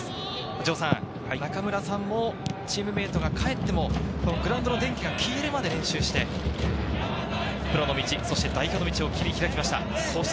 城さん、中村さんもチームメートが帰ってもグラウンドの電気が消えるまで練習して、プロの道、そして代表の道を切り開きました。